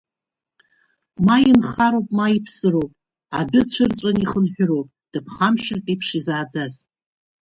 Ма инхароуп, ма иԥсыроуп, адәы цәырҵәан ихынҳәыроуп, дыԥхамшьартә еиԥш изааӡаз!